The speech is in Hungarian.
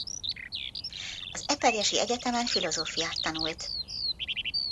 Az Eperjesi Egyetemen filozófiát tanult.